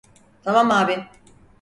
Tamam abi.